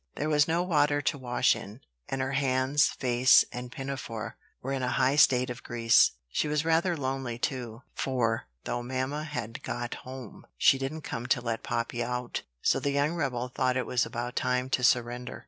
There was no water to wash in; and her hands, face, and pinafore were in a high state of grease. She was rather lonely too; for, though mamma had got home, she didn't come to let Poppy out: so the young rebel thought it was about time to surrender.